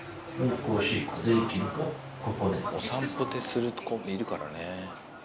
お散歩でする子もいるからね。